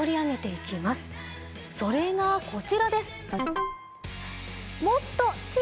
それがこちらです。